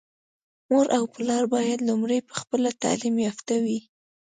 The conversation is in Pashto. مور او پلار بايد لومړی په خپله تعليم يافته وي.